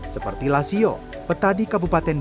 seperti lasio petani kabupaten